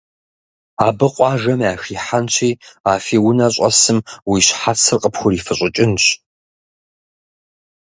Абы къуажэм яхихьэнщи а фи унэ щӏэсым уи щхьэцыр къыпхурифыщӏыкӏынщ.